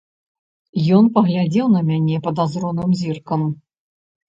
Ён паглядзеў на мяне падазроным зіркам.